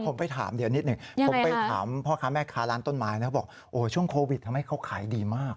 ผมไปถามเดี๋ยวนิดหนึ่งผมไปถามพ่อค้าแม่ค้าร้านต้นไม้นะบอกโอ้ช่วงโควิดทำให้เขาขายดีมาก